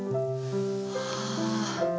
はあ。